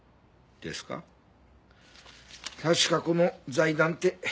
確かこの財団って。